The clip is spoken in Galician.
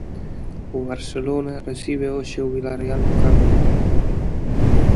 O Barcelona recibe hoxe o Vilarreal no Camp Nou.